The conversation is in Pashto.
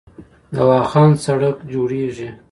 د واخان سړک جوړیږي